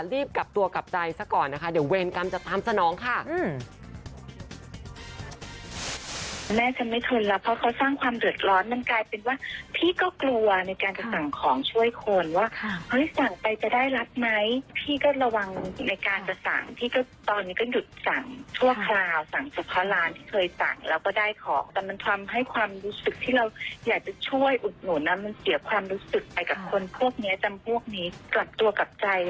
รีบกลับตัวกลับใจซะก่อนนะคะเดี๋ยวเวรกรรมจะตามสนองค่ะ